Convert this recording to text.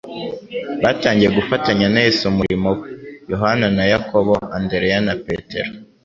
batangiye gufatanya na Yesu umurimo we. Yohana na Yakobo, Andereye na Petero,